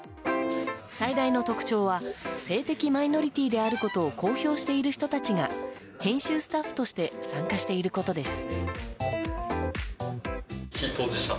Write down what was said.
最大の特徴は性的マイノリティーであることを公表している人たちが編集スタッフとして参加していることです。